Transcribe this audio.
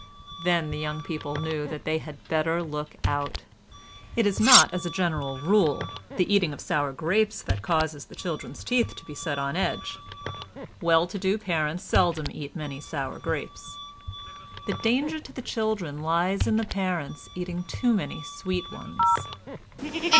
Then the young people knew that they had better look out. It is not as a general rule the eating of sour grapes that causes the children's teeth to be set on edge. Well to do parents seldom eat many sour grapes; the danger to the children lies in the parents eating too many sweet ones.